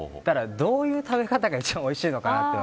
どういう食べ方が一番おいしいのかなという。